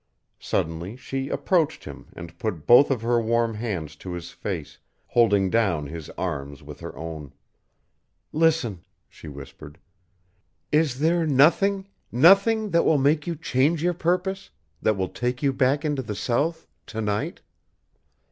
Suddenly she approached him and put both of her warm hands to his face, holding down his arms with her own. "Listen," she whispered. "Is there nothing nothing that will make you change your purpose, that will take you back into the South to night?"